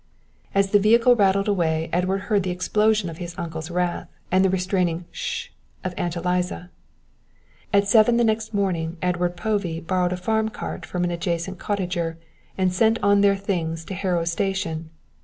As the vehicle rattled away Edward heard the explosion of his uncle's wrath and the restraining hssh of Aunt Eliza. At seven the next morning Edward Povey borrowed a farm cart from an adjacent cottager and sent on their things to Harrow Station.